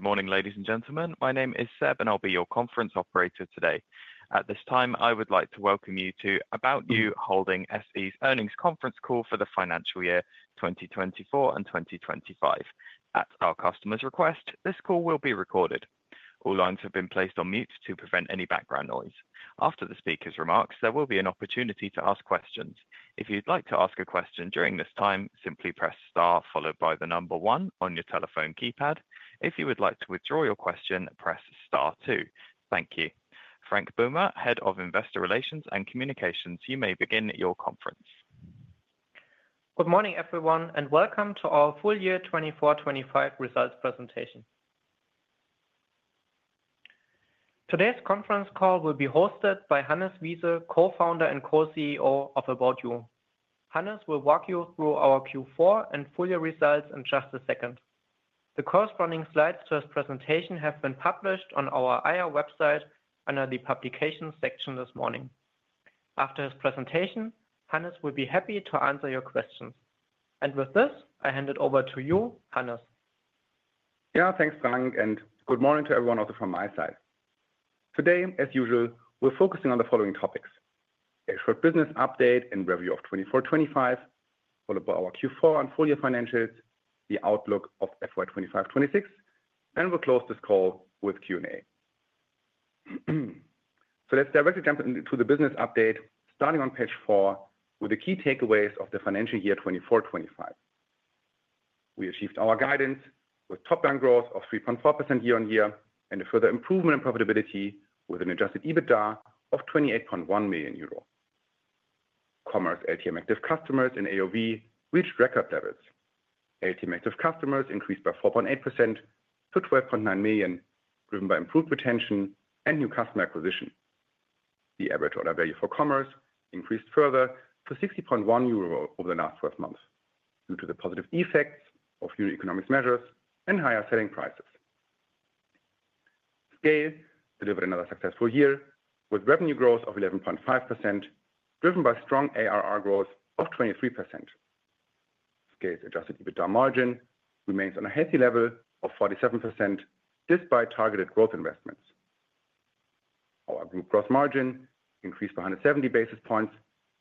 Good morning, ladies and gentlemen. My name is Seb, and I'll be your conference operator today. At this time, I would like to welcome you to About You Holding SE's earnings conference call for the financial year 2024 and 2025. At our customer's request, this call will be recorded. All lines have been placed on mute to prevent any background noise. After the speaker's remarks, there will be an opportunity to ask questions. If you'd like to ask a question during this time, simply press star followed by the number one on your telephone keypad. If you would like to withdraw your question, press star two. Thank you. Frank Böhme, Head of Investor Relations and Communications, you may begin your conference. Good morning, everyone, and welcome to our full year 2024-2025 results presentation. Today's conference call will be hosted by Hannes Wiese, Co-founder and Co-CEO of About You. Hannes will walk you through our Q4 and full year results in just a second. The corresponding slides to his presentation have been published on our IR website under the publications section this morning. After his presentation, Hannes will be happy to answer your questions. With this, I hand it over to you, Hannes. Yeah, thanks, Frank, and good morning to everyone also from my side. Today, as usual, we're focusing on the following topics: the short business update and review of 2024-2025, followed by our Q4 and full year financials, the outlook of FY 2025-2026, and we'll close this call with Q&A. Let's directly jump into the business update, starting on page four with the key takeaways of the financial year 2024-2025. We achieved our guidance with top-down growth of 3.4% year on year and a further improvement in profitability with an adjusted EBITDA of 28.1 million euro. Commerce LTM active customers and AOV reached record levels. LTM active customers increased by 4.8% to 12.9 million, driven by improved retention and new customer acquisition. The average order value for commerce increased further to 60.1 euro over the last 12 months due to the positive effects of new economic measures and higher selling prices. Scale delivered another successful year with revenue growth of 11.5%, driven by strong ARR growth of 23%. Scale's adjusted EBITDA margin remains on a healthy level of 47% despite targeted growth investments. Our group gross margin increased by 170 basis points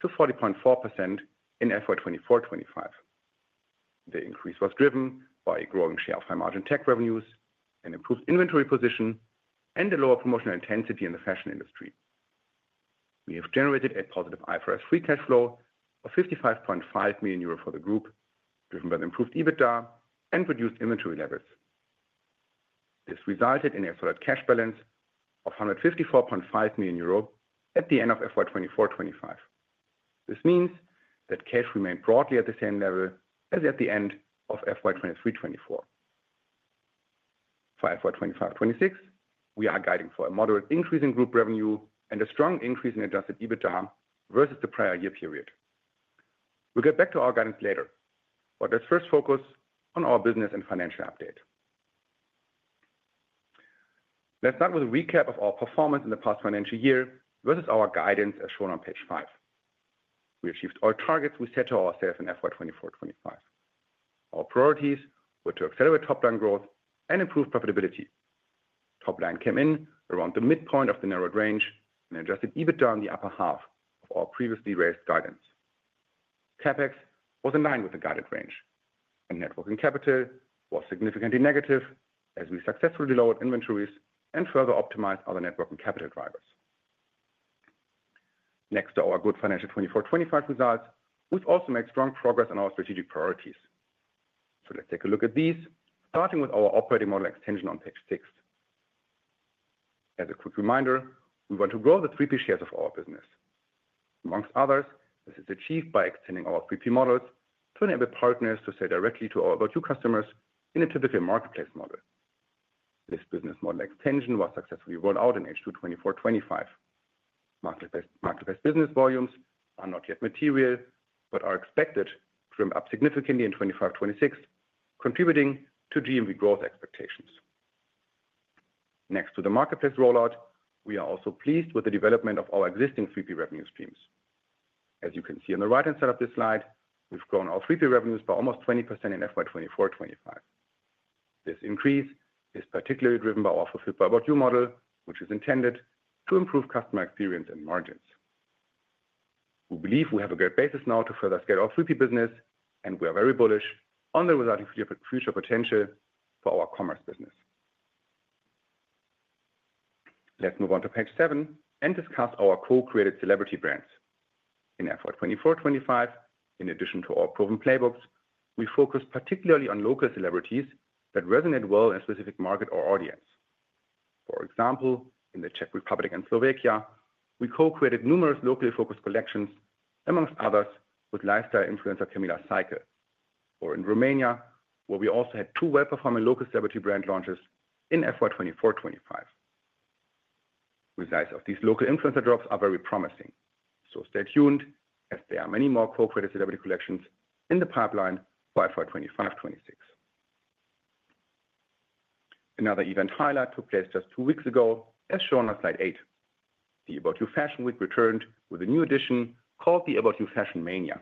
to 40.4% in FY 2024-2025. The increase was driven by a growing share of high-margin tech revenues, an improved inventory position, and a lower promotional intensity in the fashion industry. We have generated a positive IFRS free cash flow of 55.5 million euro for the group, driven by the improved EBITDA and reduced inventory levels. This resulted in a solid cash balance of 154.5 million euro at the end of FY 2024-2025. This means that cash remained broadly at the same level as at the end of FY 2023-2024. For FY 2025-2026, we are guiding for a moderate increase in group revenue and a strong increase in adjusted EBITDA versus the prior year period. We'll get back to our guidance later, but let's first focus on our business and financial update. Let's start with a recap of our performance in the past financial year versus our guidance as shown on page five. We achieved all targets we set to ourselves in FY 2024-2025. Our priorities were to accelerate top-down growth and improve profitability. Top-down came in around the midpoint of the narrowed range and adjusted EBITDA in the upper half of our previously raised guidance. CapEx was in line with the guided range, and net working capital was significantly negative as we successfully lowered inventories and further optimized other net working capital drivers. Next to our good financial 2024-2025 results, we've also made strong progress on our strategic priorities. Let's take a look at these, starting with our operating model extension on page six. As a quick reminder, we want to grow the 3P shares of our business. Amongst others, this is achieved by extending our 3P models to enable partners to sell directly to our About You customers in a typical marketplace model. This business model extension was successfully rolled out in H2 2024-2025. Marketplace business volumes are not yet material, but are expected to ramp up significantly in 2025-2026, contributing to GMV growth expectations. Next to the marketplace rollout, we are also pleased with the development of our existing 3P revenue streams. As you can see on the right-hand side of this slide, we've grown our 3P revenues by almost 20% in FY 2024-2025. This increase is particularly driven by our fulfilled About You model, which is intended to improve customer experience and margins. We believe we have a great basis now to further scale our 3P business, and we are very bullish on the resulting future potential for our commerce business. Let's move on to page seven and discuss our co-created celebrity brands. In FY 2024-2025, in addition to our proven playbooks, we focused particularly on local celebrities that resonate well in a specific market or audience. For example, in the Czech Republic and Slovakia, we co-created numerous locally focused collections, amongst others with lifestyle influencer Camila Seikel. Or in Romania, where we also had two well-performing local celebrity brand launches in FY 2024-2025. Results of these local influencer drops are very promising, so stay tuned as there are many more co-created celebrity collections in the pipeline for FY 2025-2026. Another event highlight took place just two weeks ago, as shown on slide eight. The About You Fashion Week returned with a new edition called the About You Fashion Mania.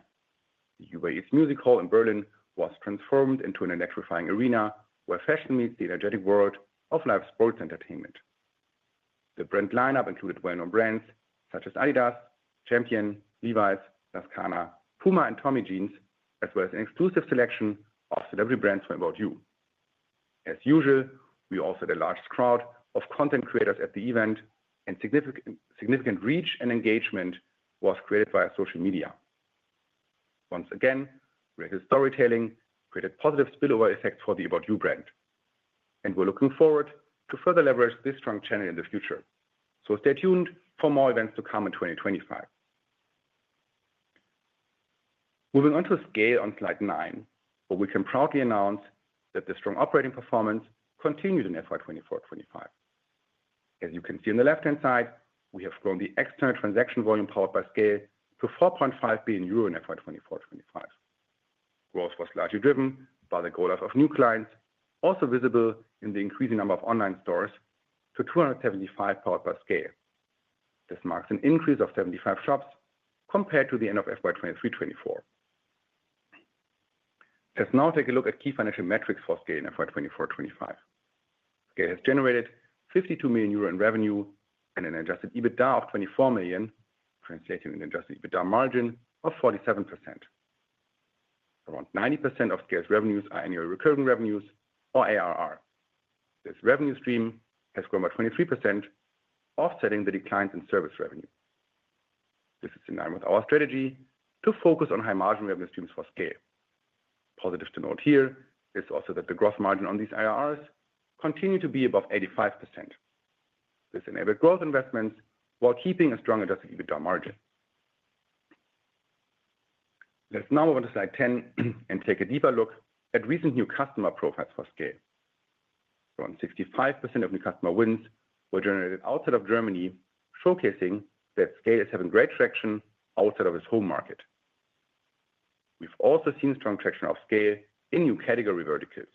The U.A.E.'s music hall in Berlin was transformed into an electrifying arena where fashion meets the energetic world of live sports entertainment. The brand lineup included well-known brands such as Adidas, Champion, Levi's, Lacoste, Puma, and Tommy Jeans, as well as an exclusive selection of celebrity brands from About You. As usual, we also had a large crowd of content creators at the event, and significant reach and engagement was created via social media. Once again, regular storytelling created positive spillover effects for the About You brand, and we are looking forward to further leverage this strong channel in the future. Stay tuned for more events to come in 2025. Moving on to Scale on slide nine, where we can proudly announce that the strong operating performance continued in FY 2024-2025. As you can see on the left-hand side, we have grown the external transaction volume powered by Scale to 4.5 billion euro in FY 2024-2025. Growth was largely driven by the growth of new clients, also visible in the increasing number of online stores, to 275 powered by Scale. This marks an increase of 75 shops compared to the end of FY 2023-2024. Let's now take a look at key financial metrics for Scale in FY 2024-2025. Scale has generated 52 million euro in revenue and an adjusted EBITDA of 24 million, translating in an adjusted EBITDA margin of 47%. Around 90% of Scale's revenues are annual recurring revenues or ARR. This revenue stream has grown by 23%, offsetting the declines in service revenue. This is in line with our strategy to focus on high-margin revenue streams for Scale. Positive to note here is also that the gross margin on these ARRs continued to be above 85%. This enabled growth investments while keeping a strong adjusted EBITDA margin. Let's now move on to slide 10 and take a deeper look at recent new customer profiles for Scale. Around 65% of new customer wins were generated outside of Germany, showcasing that Scale is having great traction outside of its home market. We've also seen strong traction of Scale in new category verticals.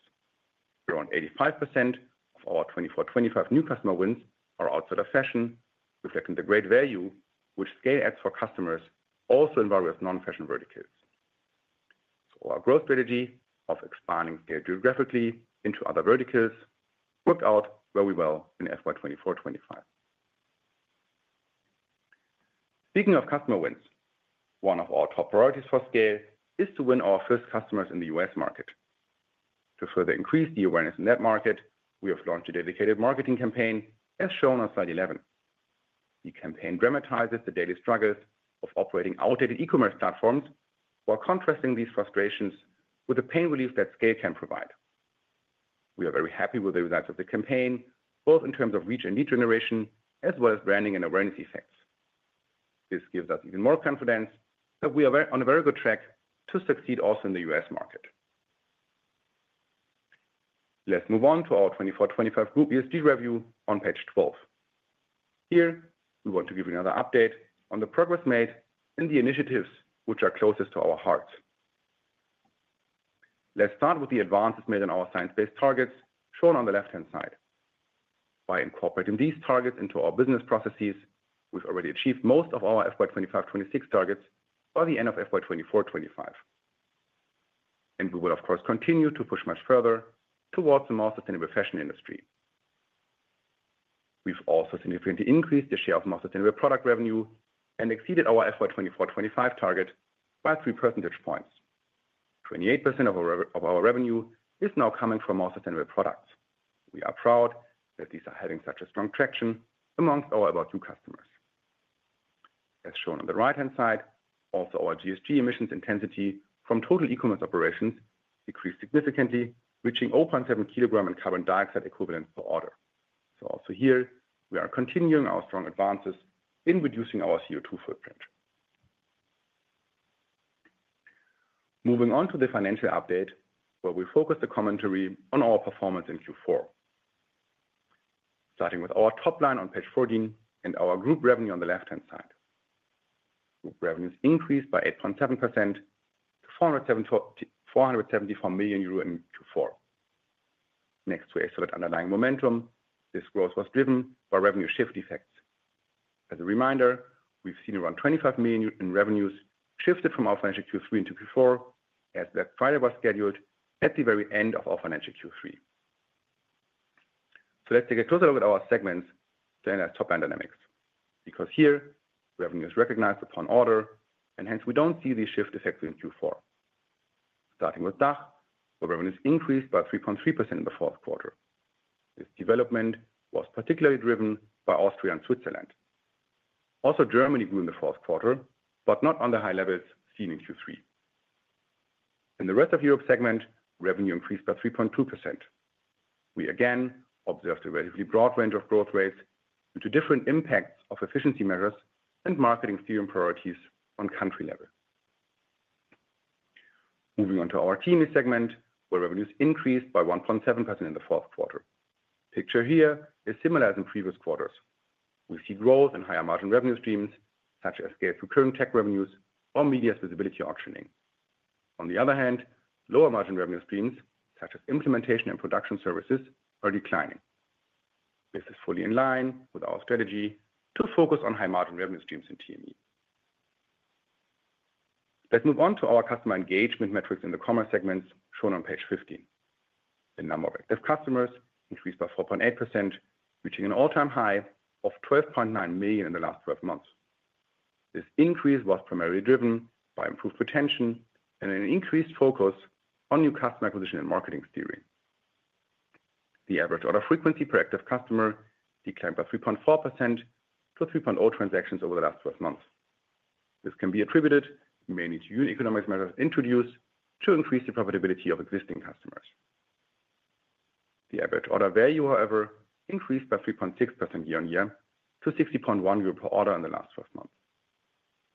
Around 85% of our 24-25 new customer wins are outside of fashion, reflecting the great value which Scale adds for customers also in various non-fashion verticals. Our growth strategy of expanding Scale geographically into other verticals worked out very well in FY 24-25. Speaking of customer wins, one of our top priorities for Scale is to win our first customers in the US market. To further increase the awareness in that market, we have launched a dedicated marketing campaign, as shown on slide 11. The campaign dramatizes the daily struggles of operating outdated e-commerce platforms while contrasting these frustrations with the pain relief that Scale can provide. We are very happy with the results of the campaign, both in terms of reach and lead generation, as well as branding and awareness effects. This gives us even more confidence that we are on a very good track to succeed also in the U.S. market. Let's move on to our 2024-2025 group ESG review on page 12. Here, we want to give you another update on the progress made and the initiatives which are closest to our hearts. Let's start with the advances made in our science-based targets shown on the left-hand side. By incorporating these targets into our business processes, we've already achieved most of our FY 25-26 targets by the end of FY 24-25. We will, of course, continue to push much further towards a more sustainable fashion industry. We've also significantly increased the share of more sustainable product revenue and exceeded our FY 24-25 target by 3 percentage points. 28% of our revenue is now coming from more sustainable products. We are proud that these are having such a strong traction amongst our About You customers. As shown on the right-hand side, also our GSG emissions intensity from total e-commerce operations decreased significantly, reaching 0.7 kilograms in carbon dioxide equivalents per order. Here, we are continuing our strong advances in reducing our CO2 footprint. Moving on to the financial update, where we focus the commentary on our performance in Q4. Starting with our top line on page 14 and our group revenue on the left-hand side. Group revenues increased by 8.7% to 474 million euro in Q4. Next to a solid underlying momentum, this growth was driven by revenue shift effects. As a reminder, we've seen around 25 million in revenues shifted from our financial Q3 into Q4 as that Friday was scheduled at the very end of our financial Q3. Let's take a closer look at our segments to analyze top line dynamics, because here revenue is recognized upon order, and hence we don't see these shift effects in Q4. Starting with DACH, where revenues increased by 3.3% in the fourth quarter. This development was particularly driven by Austria and Switzerland. Also, Germany grew in the fourth quarter, but not on the high levels seen in Q3. In the rest of Europe segment, revenue increased by 3.2%. We again observed a relatively broad range of growth rates due to different impacts of efficiency measures and marketing steering priorities on country level. Moving on to our TMI segment, where revenues increased by 1.7% in the fourth quarter. Picture here is similar as in previous quarters. We see growth in higher margin revenue streams such as Scale through current tech revenues or media visibility orcharding. On the other hand, lower margin revenue streams such as implementation and production services are declining. This is fully in line with our strategy to focus on high margin revenue streams in TMI. Let's move on to our customer engagement metrics in the commerce segments shown on page 15. The number of active customers increased by 4.8%, reaching an all-time high of 12.9 million in the last 12 months. This increase was primarily driven by improved retention and an increased focus on new customer acquisition and marketing steering. The average order frequency per active customer declined by 3.4% to 3.0 transactions over the last 12 months. This can be attributed mainly to unit economics measures introduced to increase the profitability of existing customers. The average order value, however, increased by 3.6% year on year to 60.1 euro per order in the last 12 months.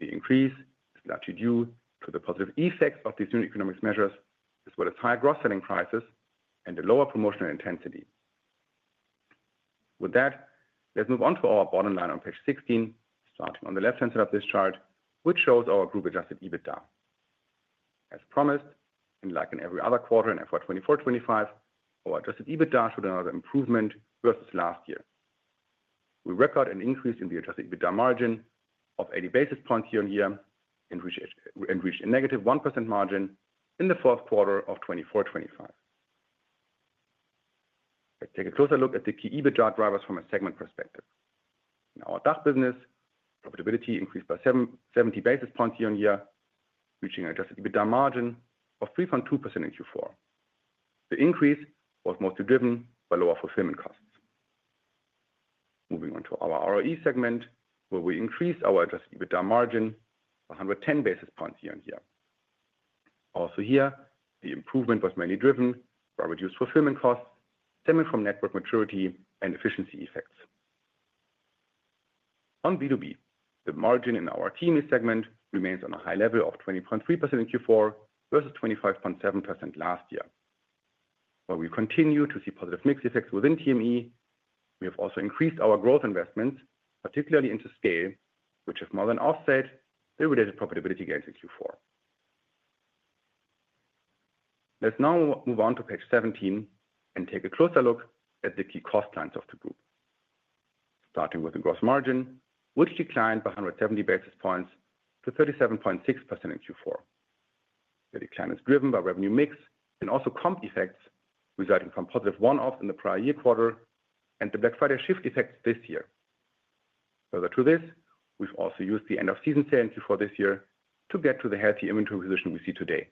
The increase is largely due to the positive effects of these unit economics measures, as well as higher gross selling prices and a lower promotional intensity. With that, let's move on to our bottom line on page 16, starting on the left-hand side of this chart, which shows our group adjusted EBITDA. As promised, and like in every other quarter in FY 24-25, our adjusted EBITDA showed another improvement versus last year. We record an increase in the adjusted EBITDA margin of 80 basis points year on year and reached a negative 1% margin in the fourth quarter of 2024-2025. Let's take a closer look at the key EBITDA drivers from a segment perspective. In our DACH business, profitability increased by 70 basis points year on year, reaching an adjusted EBITDA margin of 3.2% in Q4. The increase was mostly driven by lower fulfillment costs. Moving on to our ROE segment, where we increased our adjusted EBITDA margin by 110 basis points year on year. Also here, the improvement was mainly driven by reduced fulfillment costs stemming from network maturity and efficiency effects. On B2B, the margin in our TMI segment remains on a high level of 20.3% in Q4 versus 25.7% last year. While we continue to see positive mix effects within TMI, we have also increased our growth investments, particularly into Scale, which have more than offset the related profitability gains in Q4. Let's now move on to page 17 and take a closer look at the key cost lines of the group, starting with the gross margin, which declined by 170 basis points to 37.6% in Q4. The decline is driven by revenue mix and also comp effects resulting from positive one-offs in the prior year quarter and the Black Friday shift effects this year. Further to this, we've also used the end-of-season sale in Q4 this year to get to the healthy inventory position we see today.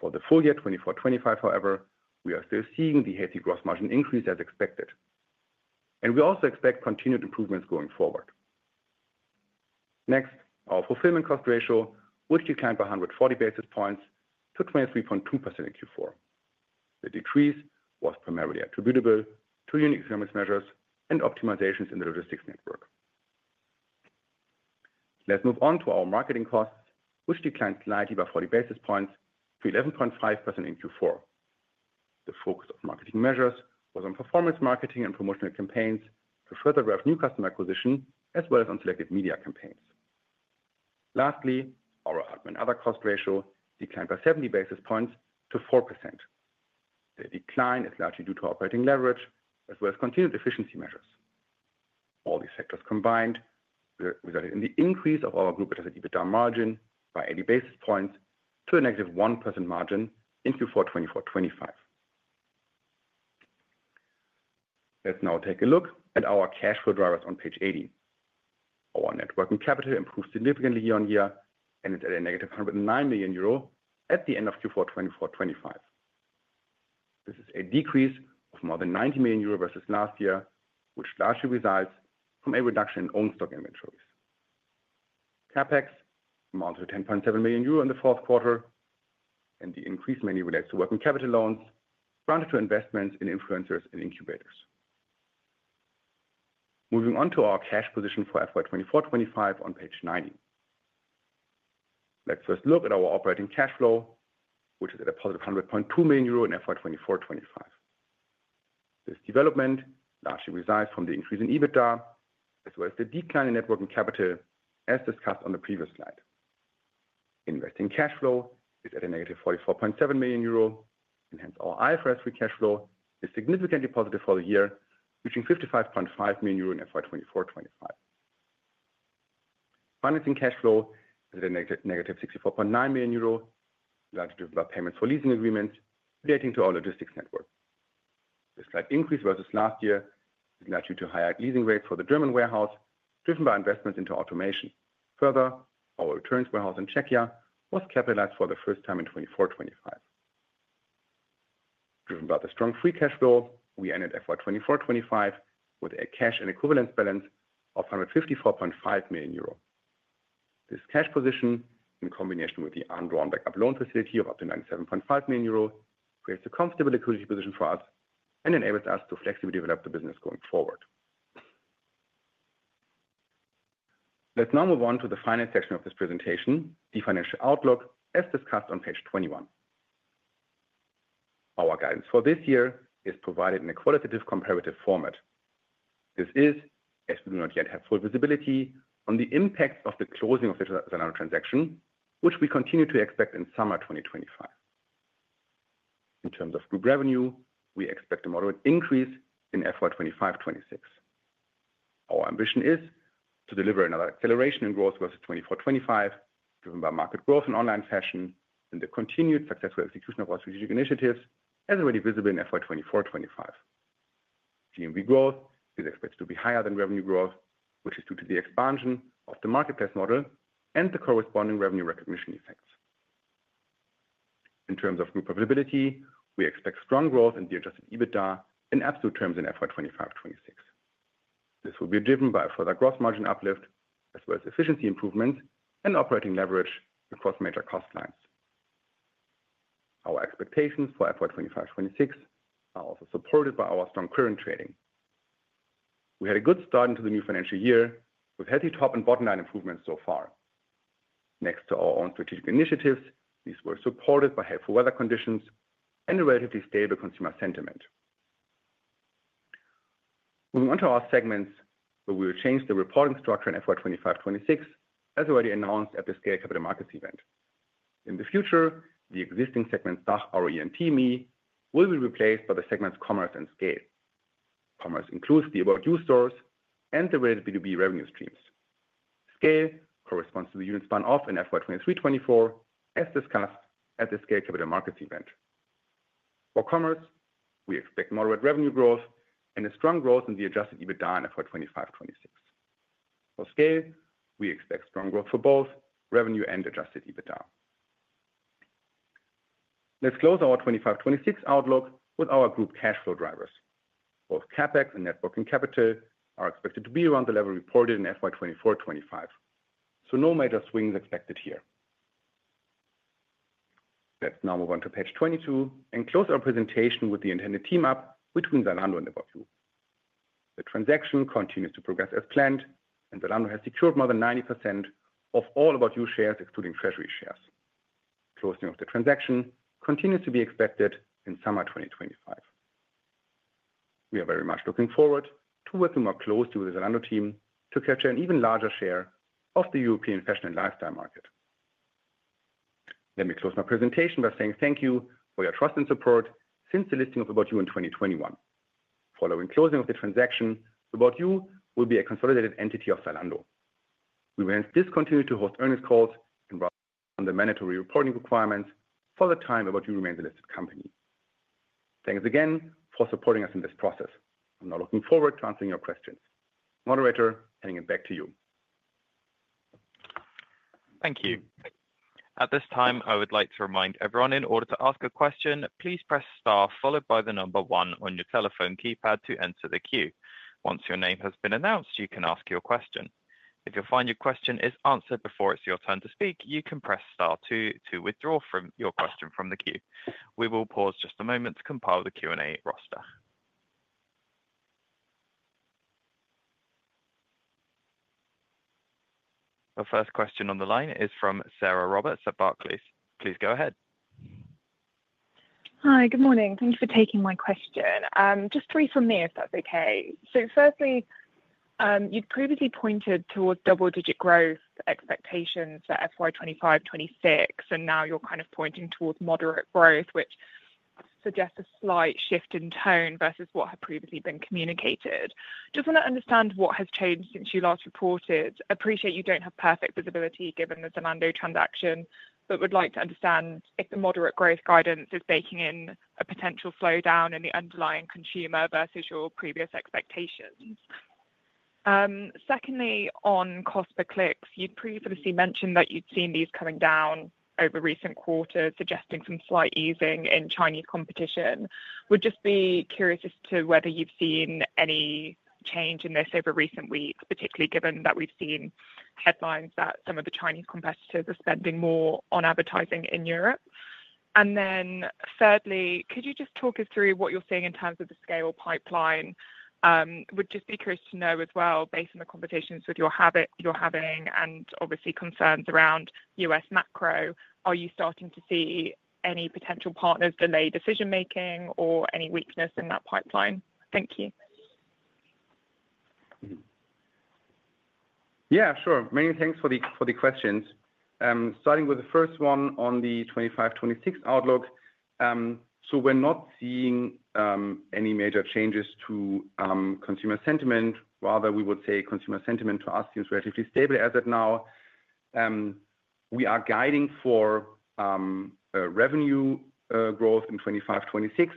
For the full year 2024-2025, however, we are still seeing the healthy gross margin increase as expected, and we also expect continued improvements going forward. Next, our fulfillment cost ratio, which declined by 140 basis points to 23.2% in Q4. The decrease was primarily attributable to unit economics measures and optimizations in the logistics network. Let's move on to our marketing costs, which declined slightly by 40 basis points to 11.5% in Q4. The focus of marketing measures was on performance marketing and promotional campaigns to further drive new customer acquisition, as well as on selected media campaigns. Lastly, our admin other cost ratio declined by 70 basis points to 4%. The decline is largely due to operating leverage, as well as continued efficiency measures. All these factors combined resulted in the increase of our group adjusted EBITDA margin by 80 basis points to a negative 1% margin in Q4 2024-2025. Let's now take a look at our cash flow drivers on page 80. Our net working capital improved significantly year on year, and it's at a negative 109 million euro at the end of Q4 2024-2025. This is a decrease of more than 90 million euros versus last year, which largely results from a reduction in own stock inventories. CapEx amounted to 10.7 million euro in the fourth quarter, and the increase mainly relates to working capital loans granted to investments in influencers and incubators. Moving on to our cash position for FY 2024-2025 on page 90. Let's first look at our operating cash flow, which is at a positive 100.2 million euro in FY 2024-2025. This development largely resides from the increase in EBITDA, as well as the decline in net working capital, as discussed on the previous slide. Investing cash flow is at a negative 44.7 million euro, and hence our IFRS 3 cash flow is significantly positive for the year, reaching 55.5 million euro in FY 2024-2025. Financing cash flow is at a negative 64.9 million euro, largely due to payments for leasing agreements relating to our logistics network. This slight increase versus last year is largely due to higher leasing rates for the German warehouse, driven by investments into automation. Further, our returns warehouse in Czechia was capitalized for the first time in 2024-2025. Driven by the strong free cash flow, we ended FY 2024-2025 with a cash and equivalence balance of 154.5 million euro. This cash position, in combination with the undrawn backup loan facility of up to 97.5 million euros, creates a comfortable liquidity position for us and enables us to flexibly develop the business going forward. Let's now move on to the final section of this presentation, the financial outlook, as discussed on page 21. Our guidance for this year is provided in a qualitative comparative format. This is, as we do not yet have full visibility on the impacts of the closing of the Zalando transaction, which we continue to expect in summer 2025. In terms of group revenue, we expect a moderate increase in FY 2025-2026. Our ambition is to deliver another acceleration in growth versus 2024-2025, driven by market growth in online fashion and the continued successful execution of our strategic initiatives, as already visible in FY 2024-2025. GMV growth is expected to be higher than revenue growth, which is due to the expansion of the marketplace model and the corresponding revenue recognition effects. In terms of group profitability, we expect strong growth in the adjusted EBITDA in absolute terms in FY 2025-2026. This will be driven by a further gross margin uplift, as well as efficiency improvements and operating leverage across major cost lines. Our expectations for FY 25-26 are also supported by our strong current trading. We had a good start into the new financial year with healthy top and bottom line improvements so far. Next to our own strategic initiatives, these were supported by helpful weather conditions and a relatively stable consumer sentiment. Moving on to our segments, where we will change the reporting structure in FY 25-26, as already announced at the Scale Capital Markets event. In the future, the existing segments DACH, ROE, and TMI will be replaced by the segments Commerce and Scale. Commerce includes the About You stores and the related B2B revenue streams. Scale corresponds to the unit spun off in FY 23-24, as discussed at the Scale Capital Markets event. For Commerce, we expect moderate revenue growth and a strong growth in the adjusted EBITDA in FY 25-26. For Scale, we expect strong growth for both revenue and adjusted EBITDA. Let's close our 2025-2026 outlook with our group cash flow drivers. Both CapEx and net working capital are expected to be around the level reported in FY 2024-2025, so no major swings expected here. Let's now move on to page 22 and close our presentation with the intended team-up between Zalando and About You. The transaction continues to progress as planned, and Zalando has secured more than 90% of all About You shares, excluding treasury shares. Closing of the transaction continues to be expected in summer 2025. We are very much looking forward to working more closely with the Zalando team to capture an even larger share of the European fashion and lifestyle market. Let me close my presentation by saying thank you for your trust and support since the listing of About You in 2021. Following closing of the transaction, About You will be a consolidated entity of Zalando. We will hence discontinue to host earnings calls and rather on the mandatory reporting requirements for the time About You remains a listed company. Thanks again for supporting us in this process. I'm now looking forward to answering your questions. Moderator, handing it back to you. Thank you. At this time, I would like to remind everyone in order to ask a question, please press Star followed by the number one on your telephone keypad to enter the queue. Once your name has been announced, you can ask your question. If you find your question is answered before it's your turn to speak, you can press Star two to withdraw from your question from the queue. We will pause just a moment to compile the Q&A roster. Our first question on the line is from Sarah Roberts at Barclays. Please go ahead. Hi, good morning. Thank you for taking my question. Just three from me, if that's okay. Firstly, you'd previously pointed towards double-digit growth expectations for FY 2025-2026, and now you're kind of pointing towards moderate growth, which suggests a slight shift in tone versus what had previously been communicated. Just want to understand what has changed since you last reported. Appreciate you don't have perfect visibility given the Zalando transaction, but would like to understand if the moderate growth guidance is baking in a potential slowdown in the underlying consumer versus your previous expectations. Secondly, on cost per clicks, you'd previously mentioned that you'd seen these coming down over recent quarters, suggesting some slight easing in Chinese competition. Would just be curious as to whether you've seen any change in this over recent weeks, particularly given that we've seen headlines that some of the Chinese competitors are spending more on advertising in Europe. Thirdly, could you just talk us through what you're seeing in terms of the Scale pipeline? Would just be curious to know as well, based on the conversations you're having and obviously concerns around US macro, are you starting to see any potential partners delay decision-making or any weakness in that pipeline? Thank you. Yeah, sure. Many thanks for the questions. Starting with the first one on the 2025-2026 outlook, we are not seeing any major changes to consumer sentiment. Rather, we would say consumer sentiment to us seems relatively stable as of now. We are guiding for revenue growth in 2025-2026.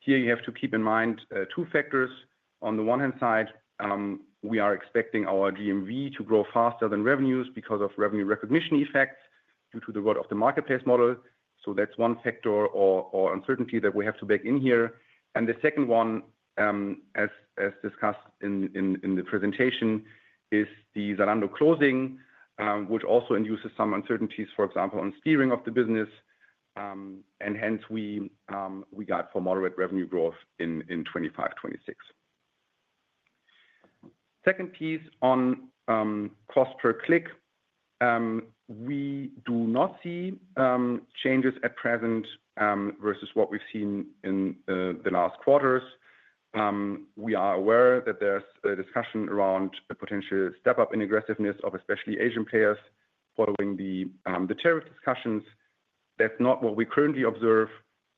Here, you have to keep in mind two factors. On the one hand side, we are expecting our GMV to grow faster than revenues because of revenue recognition effects due to the role of the marketplace model. That is one factor or uncertainty that we have to back in here. The second one, as discussed in the presentation, is the Zalando closing, which also induces some uncertainties, for example, on steering of the business. Hence, we guide for moderate revenue growth in 2025-2026. Second piece on cost per click, we do not see changes at present versus what we have seen in the last quarters. We are aware that there is a discussion around a potential step-up in aggressiveness of especially Asian players following the tariff discussions. That is not what we currently observe.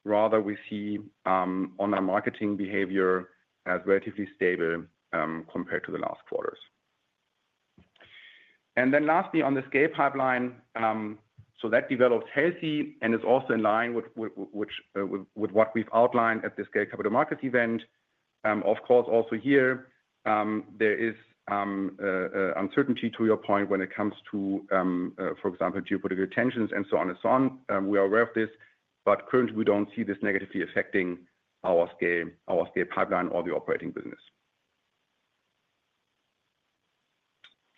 Rather, we see online marketing behavior as relatively stable compared to the last quarters. Lastly, on the Scale pipeline, that develops healthy and is also in line with what we've outlined at the Scale Capital Markets event. Of course, also here, there is uncertainty to your point when it comes to, for example, geopolitical tensions and so on and so on. We are aware of this, but currently, we do not see this negatively affecting our Scale pipeline or the operating business.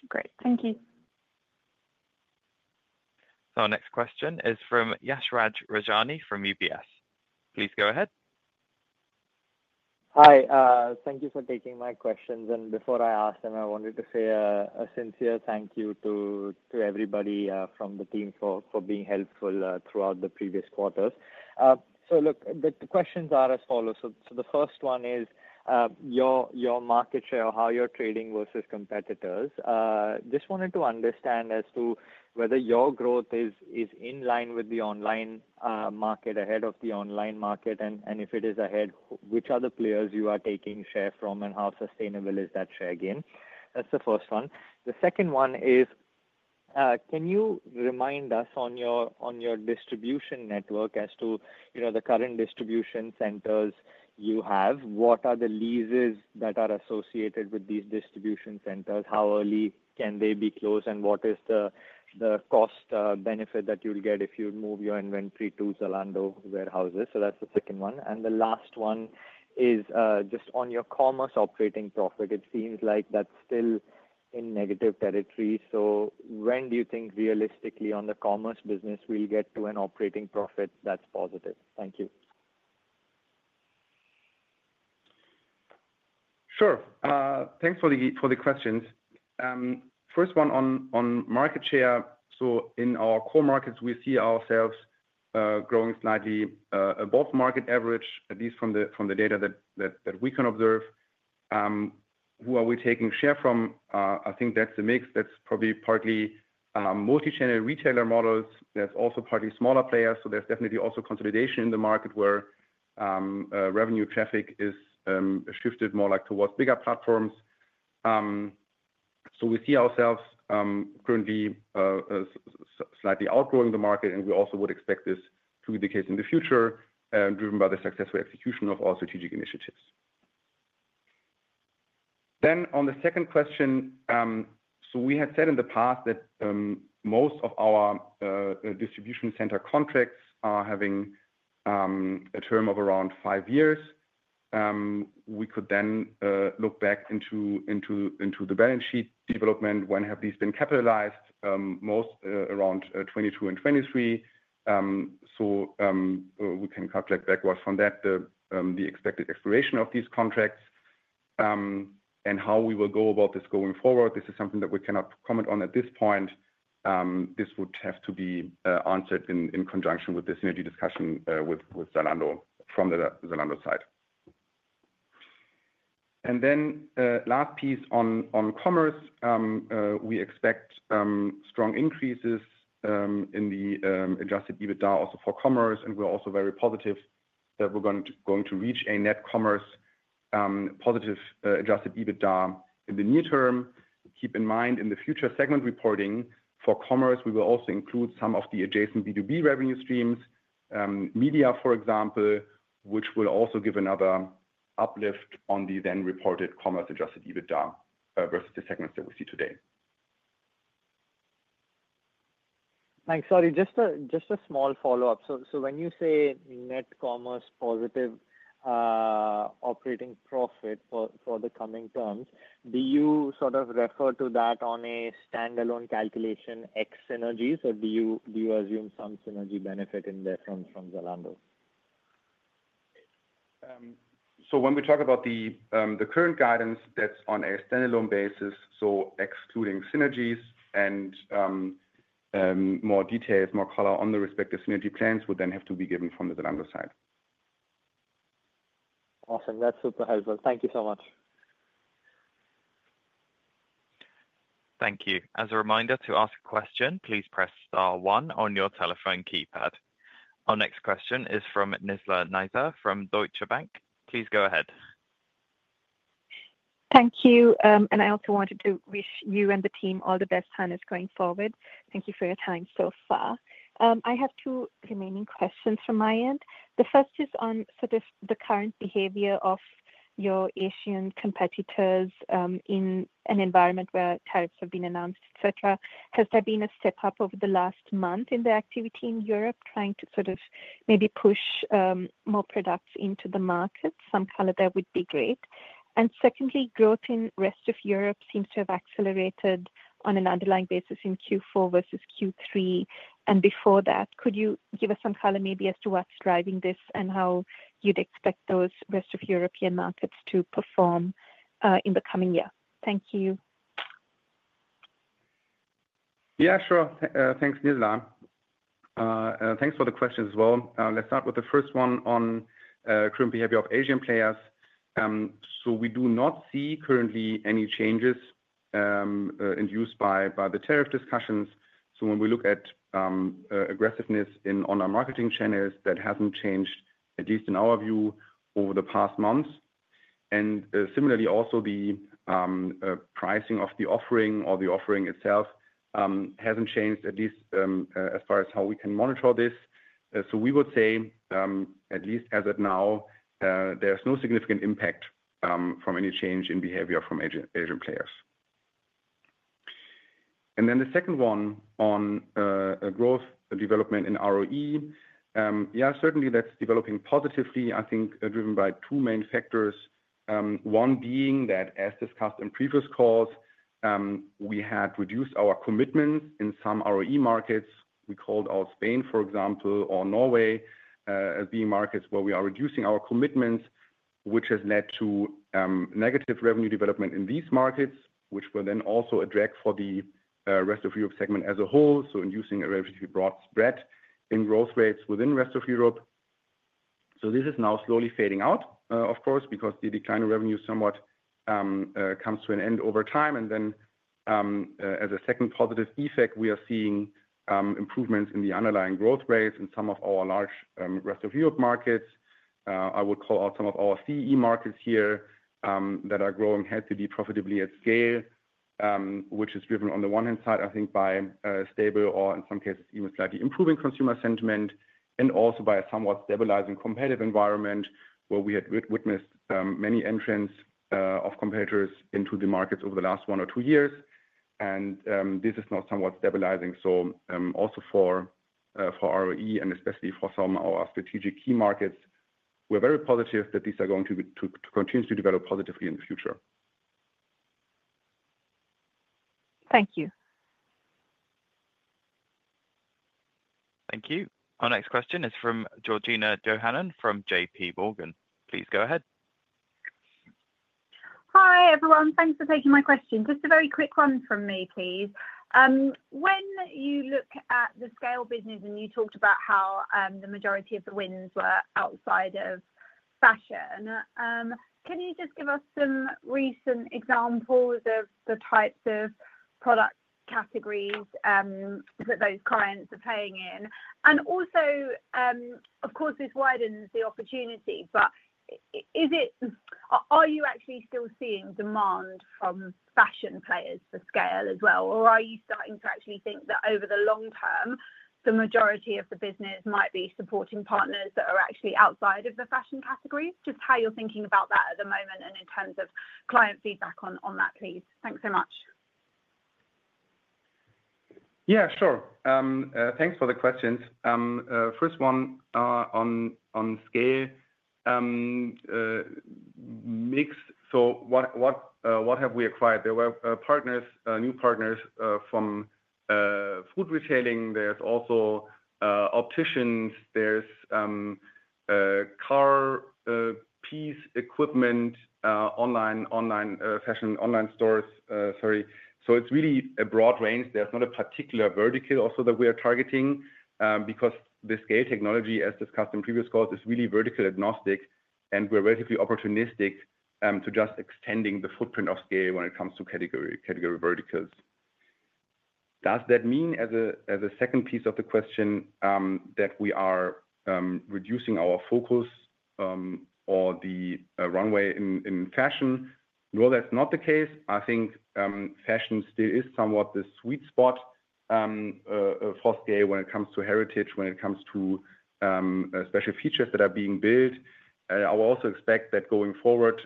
Great. Thank you. Our next question is from Yashraj Rajani from UBS. Please go ahead. Hi. Thank you for taking my questions. Before I ask them, I wanted to say a sincere thank you to everybody from the team for being helpful throughout the previous quarters. The questions are as follows. The first one is your market share, how you are trading versus competitors. Just wanted to understand as to whether your growth is in line with the online market, ahead of the online market, and if it is ahead, which other players you are taking share from and how sustainable is that share again. That's the first one. The second one is, can you remind us on your distribution network as to the current distribution centers you have? What are the leases that are associated with these distribution centers? How early can they be closed? What is the cost benefit that you'd get if you move your inventory to Zalando warehouses? That's the second one. The last one is just on your commerce operating profit. It seems like that's still in negative territory. When do you think realistically on the commerce business we'll get to an operating profit that's positive? Thank you. Sure. Thanks for the questions. First one on market share. In our core markets, we see ourselves growing slightly above market average, at least from the data that we can observe. Who are we taking share from? I think that's the mix. That's probably partly multi-channel retailer models. There's also partly smaller players. There's definitely also consolidation in the market where revenue traffic is shifted more like towards bigger platforms. We see ourselves currently slightly outgrowing the market, and we also would expect this to be the case in the future, driven by the successful execution of our strategic initiatives. On the second question, we had said in the past that most of our distribution center contracts are having a term of around five years. We could then look back into the balance sheet development. When have these been capitalized? Most around 2022 and 2023. We can calculate backwards from that the expected expiration of these contracts and how we will go about this going forward. This is something that we cannot comment on at this point. This would have to be answered in conjunction with the synergy discussion with Zalando from the Zalando side. The last piece on commerce, we expect strong increases in the adjusted EBITDA also for commerce, and we're also very positive that we're going to reach a net commerce positive adjusted EBITDA in the near term. Keep in mind in the future segment reporting for commerce, we will also include some of the adjacent B2B revenue streams, media, for example, which will also give another uplift on the then reported commerce adjusted EBITDA versus the segments that we see today. Thanks, Sadik. Just a small follow-up. When you say net commerce positive operating profit for the coming terms, do you sort of refer to that on a standalone calculation ex synergies, or do you assume some synergy benefit in there from Zalando? When we talk about the current guidance, that's on a standalone basis, so excluding synergies and more details, more color on the respective synergy plans would then have to be given from the Zalando side. Awesome. That's super helpful. Thank you so much. Thank you. As a reminder to ask a question, please press Star one on your telephone keypad. Our next question is from Nisla Nayza from Deutsche Bank. Please go ahead. Thank you. I also wanted to wish you and the team all the best, Hannes, going forward. Thank you for your time so far. I have two remaining questions from my end. The first is on sort of the current behavior of your Asian competitors in an environment where tariffs have been announced, etc. Has there been a step-up over the last month in the activity in Europe, trying to sort of maybe push more products into the market? Some color there would be great. Secondly, growth in rest of Europe seems to have accelerated on an underlying basis in Q4 versus Q3. Before that, could you give us some color maybe as to what's driving this and how you'd expect those rest of European markets to perform in the coming year? Thank you. Yeah, sure. Thanks, Nisla. Thanks for the questions as well. Let's start with the first one on current behavior of Asian players. We do not see currently any changes induced by the tariff discussions. When we look at aggressiveness in online marketing channels, that has not changed, at least in our view, over the past months. Similarly, also the pricing of the offering or the offering itself has not changed, at least as far as how we can monitor this. We would say, at least as of now, there is no significant impact from any change in behavior from Asian players. The second one on growth development in ROE, yeah, certainly that is developing positively, I think, driven by two main factors. One being that, as discussed in previous calls, we had reduced our commitments in some ROE markets. We called out Spain, for example, or Norway as being markets where we are reducing our commitments, which has led to negative revenue development in these markets, which will then also attract for the rest of Europe segment as a whole, inducing a relatively broad spread in growth rates within rest of Europe. This is now slowly fading out, of course, because the decline in revenue somewhat comes to an end over time. As a second positive effect, we are seeing improvements in the underlying growth rates in some of our large rest of Europe markets. I would call out some of our CE markets here that are growing healthily, profitably at scale, which is driven on the one hand side, I think, by stable or in some cases even slightly improving consumer sentiment, and also by a somewhat stabilizing competitive environment where we had witnessed many entrants of competitors into the markets over the last one or two years. This is now somewhat stabilizing. Also for ROE and especially for some of our strategic key markets, we're very positive that these are going to continue to develop positively in the future. Thank you. Thank you. Our next question is from Georgina Döhanen from JP Morgan. Please go ahead. Hi everyone. Thanks for taking my question. Just a very quick one from me, please. When you look at the Scale business and you talked about how the majority of the wins were outside of fashion, can you just give us some recent examples of the types of product categories that those clients are playing in? Also, of course, this widens the opportunity, but are you actually still seeing demand from fashion players for Scale as well? Are you starting to actually think that over the long term, the majority of the business might be supporting partners that are actually outside of the fashion category? Just how you're thinking about that at the moment and in terms of client feedback on that, please. Thanks so much. Yeah, sure. Thanks for the questions. First one on Scale mix. What have we acquired? There were new partners from food retailing. There are also opticians. There is car piece equipment, online fashion, online stores, sorry. It is really a broad range. There is not a particular vertical also that we are targeting because the Scale technology, as discussed in previous calls, is really vertical agnostic, and we are relatively opportunistic to just extending the footprint of Scale when it comes to category verticals. Does that mean as a second piece of the question that we are reducing our focus or the runway in fashion? No, that is not the case. I think fashion still is somewhat the sweet spot for Scale when it comes to heritage, when it comes to special features that are being built. I will also expect that going forward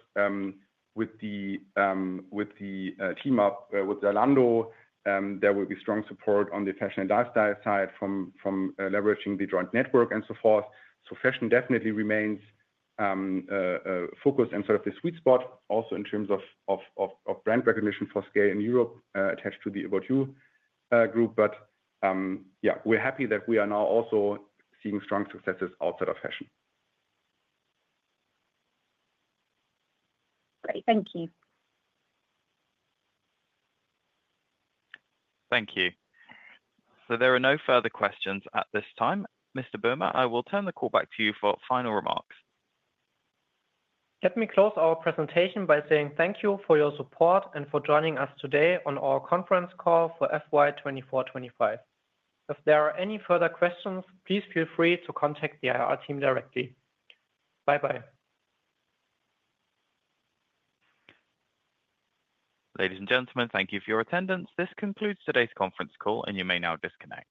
with the team up with Zalando, there will be strong support on the fashion and lifestyle side from leveraging the joint network and so forth. Fashion definitely remains focused and sort of the sweet spot also in terms of brand recognition for Scale in Europe attached to the About You group. Yeah, we're happy that we are now also seeing strong successes outside of fashion. Great. Thank you. Thank you. There are no further questions at this time. Mr. Böhme, I will turn the call back to you for final remarks. Let me close our presentation by saying thank you for your support and for joining us today on our conference call for FY 2024-2025. If there are any further questions, please feel free to contact the IR team directly. Bye-bye. Ladies and gentlemen, thank you for your attendance. This concludes today's conference call, and you may now disconnect.